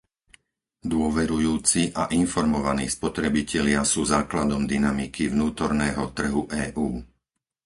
Dôverujúci a informovaní spotrebitelia sú základom dynamiky vnútorného trhu EÚ.